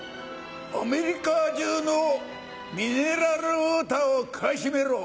アメリカ中のミネラルウオーターを買い占めろ。